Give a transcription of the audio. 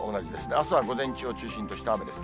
あすは午前中を中心とした雨です。